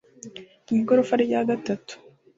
mu igorofa rya gatatu